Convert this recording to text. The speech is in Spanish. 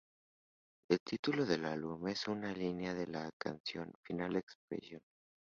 El título del álbum es una línea de la canción "Final Expression".